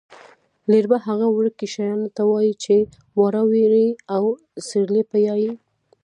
لېربه هغه وړکي شپانه ته وايي چې واړه وري او سېرلی پیایي.